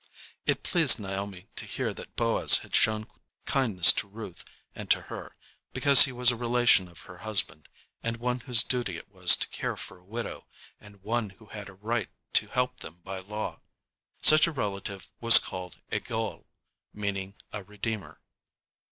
It pleased Naomi to hear that Boaz had shown kindness to Ruth and to her, because he was a relation of her husband, and one whose duty it was to care for a widow, and one who had a right to help them by law. Such a relative was called a goel, meaning a "redeemer."